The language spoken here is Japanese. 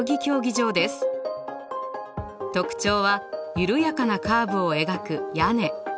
特徴は緩やかなカーブを描く屋根。